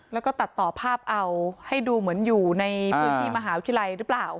แล้วก็ตัดต่อภาพเอาให้ดูเหมือนอยู่ในพื้นที่มหาวิทยาลัยหรือเปล่า